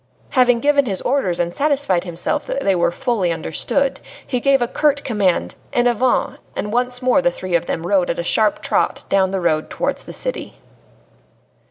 Having given his orders and satisfied himself that they were fully understood, he gave a curt command, "En avant," and once more the three of them rode at a sharp trot down the road towards the city.